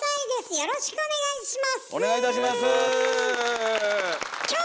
よろしくお願いします。